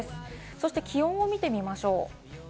そして気温を見てみましょう。